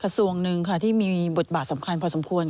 กระทรวงนึงค่ะที่มีบทบาทสำคัญพอสมควร